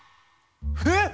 えっ！